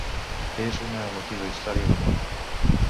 És una emotiva història d'amor.